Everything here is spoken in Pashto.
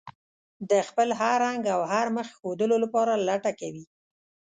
د خپل هر رنګ او هر مخ ښودلو لپاره لټه کوي.